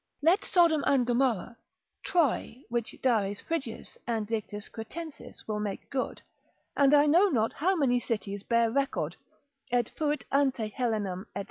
Let Sodom and Gomorrah, Troy, (which Dares Phrygius, and Dictis Cretensis will make good) and I know not how many cities bear record,—et fuit ante Helenam, &c.